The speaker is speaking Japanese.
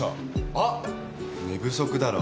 あっ寝不足だろ。